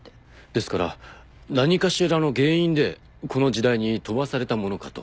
ですから何かしらの原因でこの時代に飛ばされたものかと。